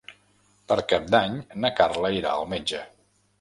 Per Cap d'Any na Carla irà al metge.